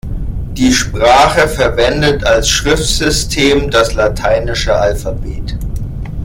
Die Sprache verwendet als Schriftsystem das lateinische Alphabet.